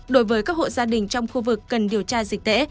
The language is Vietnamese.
đối với các hộ gia đình trong khu vực cần điều tra dịch tễ